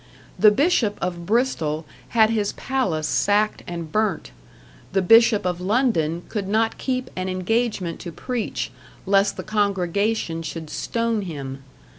The Bishop of Bristol had his palace sacked and burnt; the Bishop of London could not keep an engagement to preach lest the congregation should stone him.